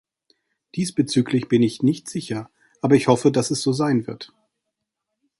Diesbezüglich bin ich nicht sicher, aber ich hoffe, dass es so sein wird.